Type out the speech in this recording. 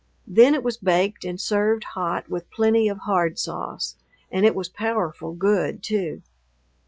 Then it was baked and served hot with plenty of hard sauce; and it was powerful good, too.